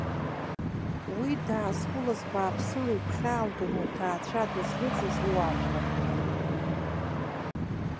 Уи даазқәылаз бааԥсыла игәхьаалгон лҭаацәа, дызлыҵыз луаажәлар.